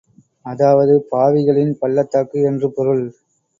அதாவது பாவிகளின் பள்ளத்தாக்கு என்று பொருள்